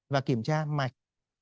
và kiểm tra mạch